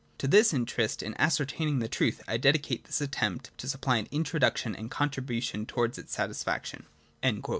To this interest in ascertaining the truth I dedicate this attempt to supply an introduction and a contribution towards its satisfaction.'